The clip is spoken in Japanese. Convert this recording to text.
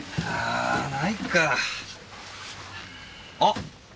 あっ！